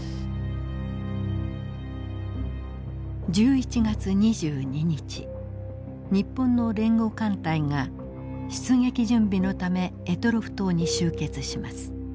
１１月２２日日本の連合艦隊が出撃準備のため択捉島に集結します。